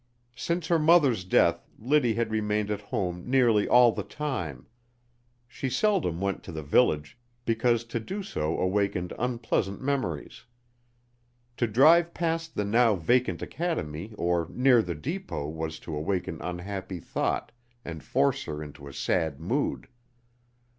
Since her mother's death Liddy had remained at home nearly all the time. She seldom went to the village, because to do so awakened unpleasant memories. To drive past the now vacant academy or near the depot was to awaken unhappy thought and force her into a sad mood.